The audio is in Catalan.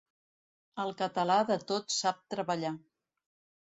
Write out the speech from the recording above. El català de tot sap treballar.